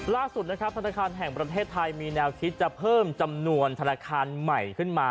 ล่าสุดนะครับธนาคารแห่งประเทศไทยมีแนวคิดจะเพิ่มจำนวนธนาคารใหม่ขึ้นมา